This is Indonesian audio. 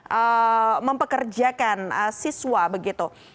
mempekerjakan siswa begitu